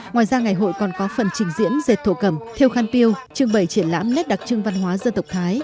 ngoài ra ngày hội còn có phần trình diễn dệt thổ cầm theo khăn piêu trưng bày triển lãm nét đặc trưng văn hóa dân tộc thái